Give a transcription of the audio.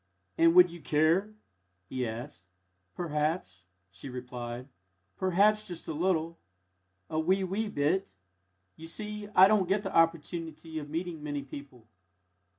"And would you care?" he asked. "Perhaps," she replied; "perhaps, just a little a wee, wee bit. You see, I don't get the opportunity of meeting many people!"